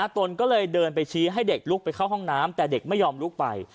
ตนก็เลยเดินไปชี้ให้เด็กลุกไปเข้าห้องน้ำแต่เด็กไม่ยอมลุกไป